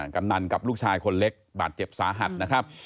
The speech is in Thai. กำนันกับลูกชายคนเล็กบาดเจ็บสาหัสนะครับ